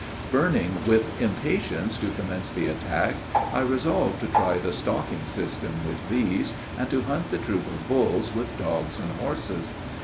Burning with impatience to commence the attack, I resolved to try the stalking system with these, and to hunt the troop of bulls with dogs and horses.